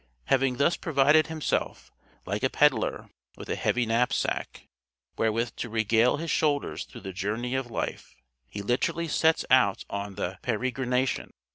Having thus provided himself, like a pedlar, with a heavy knapsack, wherewith to regale his shoulders through the journey of life, he literally sets out on the peregrination.